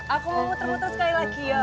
aku muter muter sekali lagi ya